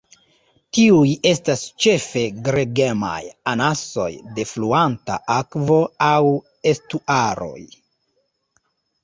Tiuj estas ĉefe gregemaj anasoj de fluanta akvo aŭ estuaroj.